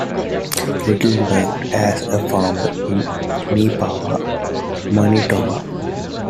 Little worked as a farmer in Neepawa, Manitoba.